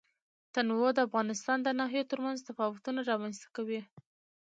تنوع د افغانستان د ناحیو ترمنځ تفاوتونه رامنځ ته کوي.